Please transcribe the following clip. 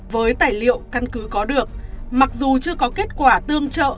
với tài liệu căn cứ có được mặc dù chưa có kết quả tương trợ